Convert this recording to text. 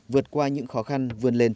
vượt qua những khó khăn vươn lên